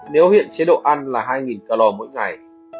nếu hiện chế độ ăn là hai calor mỗi ngày